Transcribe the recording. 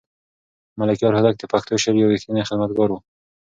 ملکیار هوتک د پښتو شعر یو رښتینی خدمتګار و.